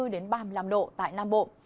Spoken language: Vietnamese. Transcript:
đến ba mươi năm độ tại nam bộ